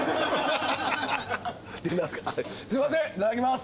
すいませんいただきます！